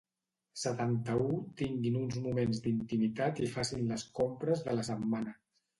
Setanta-u tinguin uns moments d'intimitat i facin les compres de la setmana.